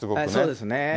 そうですね。